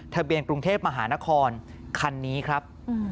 ทะเบียนกรุงเทพมหานครคันนี้ครับ